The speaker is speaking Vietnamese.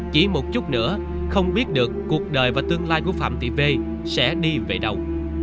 chỉ một chút nữa không biết được cuộc đời và tương lai của phạm thị v sẽ đi về đâu